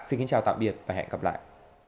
xin kính chào tạm biệt và hẹn gặp lại